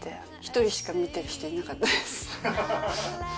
１人しか見ている人いなかったです。